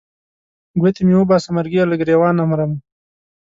ګوتې مې وباسه مرګیه له ګرېوانه نه مرم.